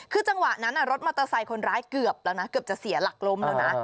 คือจังหวะนั้นรถมอเตอร์ไซค์คนร้ายเกือบแล้วนะเกือบจะเสียหลักล้มแล้วนะ